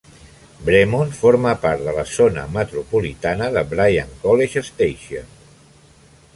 Bremond forma part de la zona metropolitana de Bryan-College Station.